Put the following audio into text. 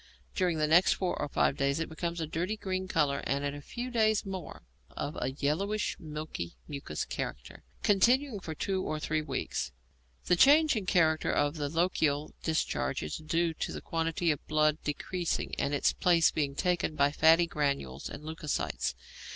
During the next four or five days it becomes of a dirty green colour, and in a few days more of a yellowish, milky, mucous character, continuing for two to three weeks. The change in character of the lochial discharge is due to the quantity of blood decreasing and its place being taken by fatty granules and leucocytes.